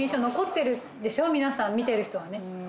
「皆さん見てる人はね」